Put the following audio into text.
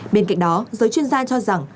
bên cạnh đó giới chuyên gia cho rằng